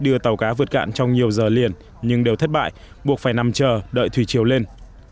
đưa tàu cá vượt cạn trong nhiều giờ liền nhưng đều thất bại buộc phải nằm chờ đợi thủy chiều lên